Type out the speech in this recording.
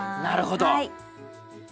なるほど。